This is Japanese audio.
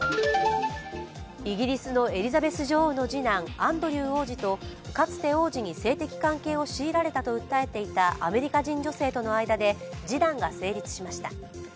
イギリスのエリザベス女王の次男アンドリュー王子とかつて王子に性的関係を強いられたと訴えていたアメリカ人女性との間で示談が成立しました。